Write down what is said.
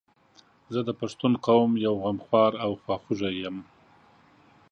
زه د پښتون قوم یو غمخوار او خواخوږی یم